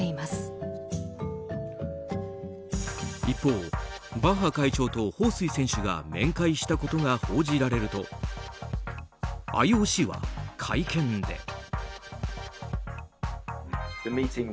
一方、バッハ会長とホウ・スイ選手が面会したことが報じられるとＩＯＣは会見で。